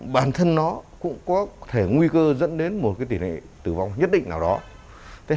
bản thân nó cũng có thể nguy cơ dẫn đến một tỷ lệ tử vong nhất định nào đó